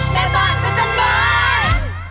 แม่บอร์ดพระจันทร์บอร์ด